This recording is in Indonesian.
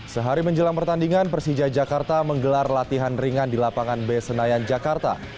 sehari menjelang pertandingan persija jakarta menggelar latihan ringan di lapangan b senayan jakarta